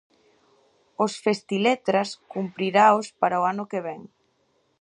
O Festiletras cumpriraos para o ano que vén.